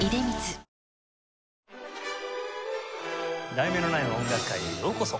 『題名のない音楽会』へようこそ。